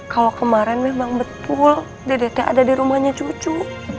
kalau kemarin memang betul dedeknya ada di rumahnya cucu